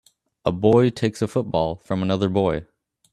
A boy takes a football from another boy